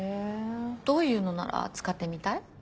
どういうのなら使ってみたい？